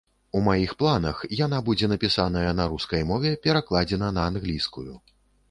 У маіх планах, яна будзе напісаная на рускай мове, перакладзена на англійскую.